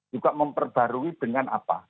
juga memperbarui dengan apa